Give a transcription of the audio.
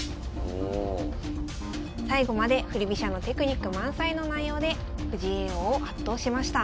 最後まで振り飛車のテクニック満載の内容で藤井叡王を圧倒しました。